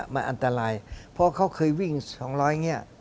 มันอันตรายเพราะเขาเคยวิ่ง๒๐๐เนี่ย